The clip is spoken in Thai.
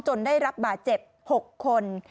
ได้รับบาดเจ็บ๖คน